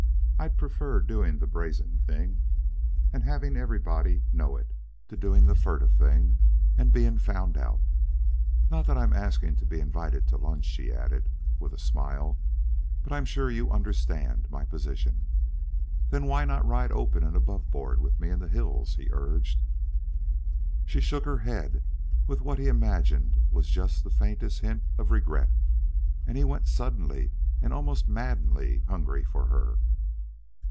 I'd prefer doing the brazen thing and having everybody know it, to doing the furtive thing and being found out. Not that I'm asking to be invited to lunch," she added, with a smile; "but I'm sure you understand my position." "Then why not ride open and aboveboard with me in the hills?" he urged. She shook her head with what he imagined was just the faintest hint of regret, and he went suddenly and almost maddeningly hungry for her.